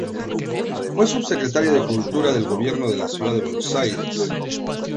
Fue Subsecretaria de Cultura del Gobierno de la Ciudad de Buenos Aires.